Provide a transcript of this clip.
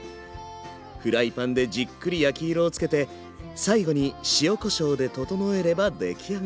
フライパンでじっくり焼き色をつけて最後に塩・こしょうで調えれば出来上がり。